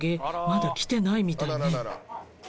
まだ来てないみたいね。